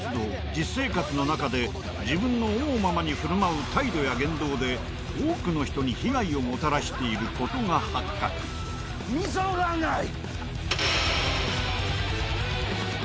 実生活の中で自分の思うままに振る舞う態度や言動で多くの人に被害をもたらしていることが発覚みそがない！